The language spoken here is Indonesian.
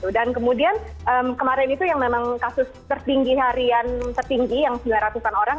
dan kemudian kemarin itu yang memang kasus tertinggi harian tertinggi yang sembilan ratus an orang